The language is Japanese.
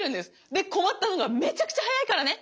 で困ったのがめちゃくちゃ速いからね。